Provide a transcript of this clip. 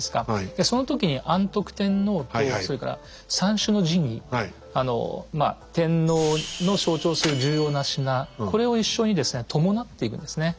でその時に安徳天皇とそれから三種の神器天皇の象徴する重要な品これを一緒に伴っていくんですね。